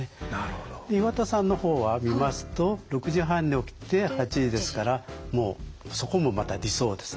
で岩田さんの方は見ますと６時半に起きて８時ですからもうそこもまた理想ですね。